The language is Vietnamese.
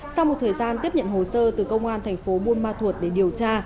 sau một thời gian tiếp nhận hồ sơ từ công an thành phố buôn ma thuột để điều tra